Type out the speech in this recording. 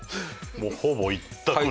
もうほぼ一択に。